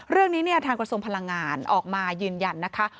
เรื่องนี้เนี่ยทางกระทรวงพลังงานออกมายืนยันนะคะ